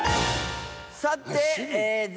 さて。